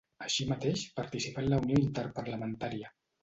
Així mateix participà en la Unió interparlamentària.